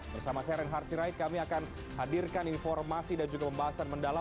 bersama saya reinhard sirait kami akan hadirkan informasi dan juga pembahasan mendalam